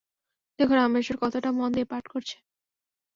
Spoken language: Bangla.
দেখো রামেশ্বর, কতোটা মন দিয়ে পাঠ করছে।